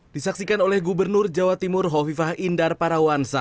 disaksikan oleh gubernur jawa timur hovifah indar parawansa